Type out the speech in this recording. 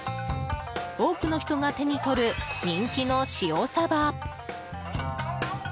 多くの人が手にとる人気の塩サバ。